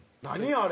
あれ。